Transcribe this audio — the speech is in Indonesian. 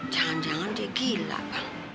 jangan jangan dia gila bang